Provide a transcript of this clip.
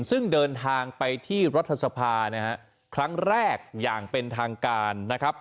ซึ่งเดินทางไปที่รัฐสภาครั้งแรกอย่างเป็นทางการ